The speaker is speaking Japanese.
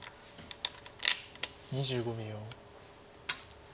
２５秒。